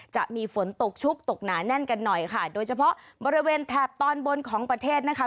จะมีฝนตกชุกตกหนาแน่นกันหน่อยค่ะโดยเฉพาะบริเวณแถบตอนบนของประเทศนะคะ